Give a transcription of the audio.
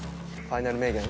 ファイナル名言？